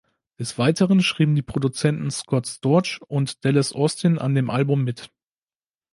Des Weiteren schrieben die Produzenten Scott Storch und Dallas Austin an dem Album mit.